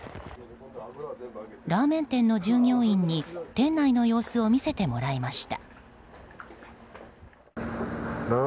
ラーメン店の従業員に店内の様子を見せてもらいました。